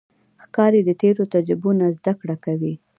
ښکاري د تیرو تجربو نه زده کړه کوي.